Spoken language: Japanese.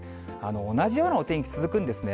同じようなお天気続くんですね。